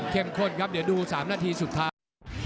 ข้นครับเดี๋ยวดู๓นาทีสุดท้าย